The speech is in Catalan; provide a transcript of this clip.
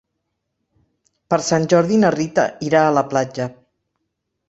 Per Sant Jordi na Rita irà a la platja.